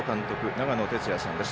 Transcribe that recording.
長野哲也さんです。